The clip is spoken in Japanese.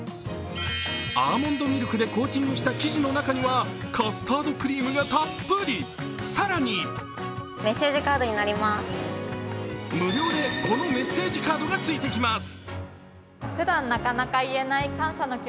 アーモンドミルクでコーティングした生地の中にはカスタードクリームがたっぷり更に無料でこのメッセージカードがついてきます。